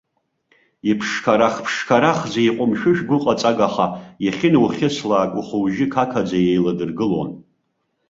Иԥшқарахԥшқарахӡа, иҟәымшәышә гәыҟаҵагаха, иахьынухьыслак ухәыужьы қақаӡа еиладыргылон.